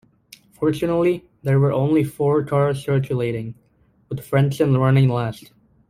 Fortunately there were only four cars circulating, with Frentzen running last.